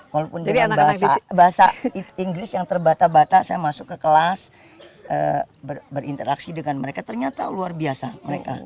walaupun dengan bahasa inggris yang terbata bata saya masuk ke kelas berinteraksi dengan mereka ternyata luar biasa mereka